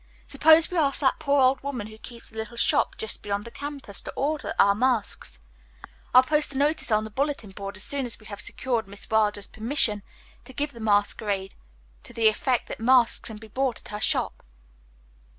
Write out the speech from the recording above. Suppose we ask that poor old woman who keeps the little shop just beyond the campus to order our masks? I'll post a notice on the bulletin board as soon as we have secured Miss Wilder's permission to give the masquerade to the effect that masks can be bought at her shop.